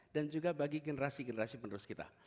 dan juga bagi generasi generasi penerus kita